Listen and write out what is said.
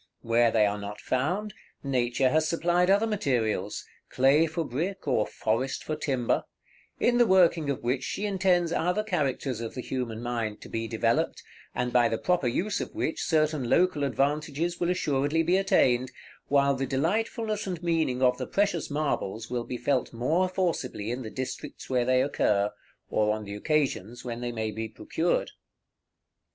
Where they are not found, Nature has supplied other materials, clay for brick, or forest for timber, in the working of which she intends other characters of the human mind to be developed, and by the proper use of which certain local advantages will assuredly be attained, while the delightfulness and meaning of the precious marbles will be felt more forcibly in the districts where they occur, or on the occasions when they may be procured.